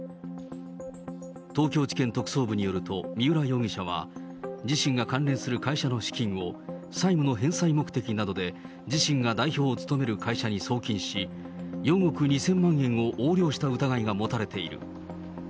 東京地検特捜部によると、三浦容疑者は、自身が関連する会社の資金を、債務の返済目的などで自身が代表を務める会社に送金し、４億２０００万円を横領した疑いが持たれている。